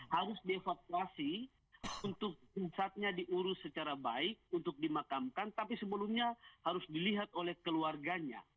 harus dievakuasi untuk jasadnya diurus secara baik untuk dimakamkan tapi sebelumnya harus dilihat oleh keluarganya